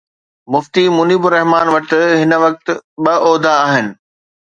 مفتي منيب الرحمان وٽ هن وقت ٻه عهدا آهن.